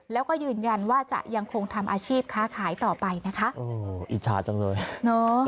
แล้วก็ยืนยันว่าจะยังคงทำอาชีพค้าขายต่อไปนะคะโอ้อิจฉาจังเลยเนอะ